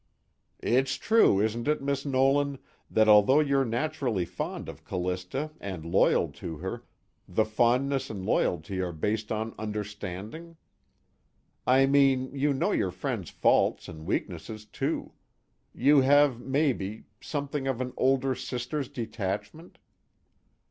_" "It's true, isn't it, Miss Nolan, that although you're naturally fond of Callista and loyal to her, the fondness and loyalty are based on understanding? I mean, you know your friend's faults and weaknesses too. You have, maybe, something of an older sister's detachment?"